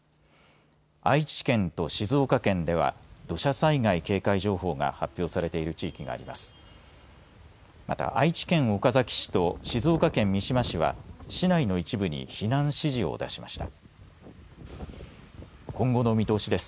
愛知県と静岡県では土砂災害警戒情報が発表されている地域があります。